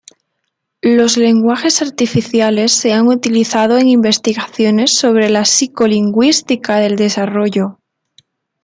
Los lenguajes artificiales se han utilizado en investigaciones sobre la psicolingüística del desarrollo.